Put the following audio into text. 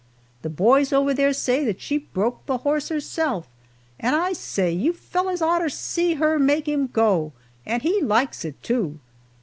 The boys over there say that she broke the horse herself, and I say! you fellers orter see her make him go and he likes it, too."